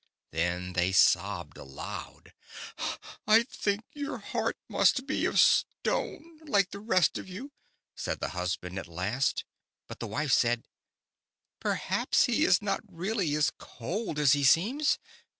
Then they sobbed aloud. " I think your heart must be of stone, like the rest of you," said the husband at last. But the wife said :" Perhaps, he is not really as cold as he seems.